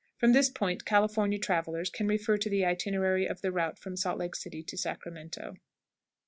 From this point California travelers can refer to the itinerary of the route from Salt Lake City to Sacramento.